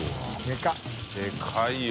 でかいよ。